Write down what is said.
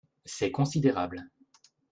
C’est considérable.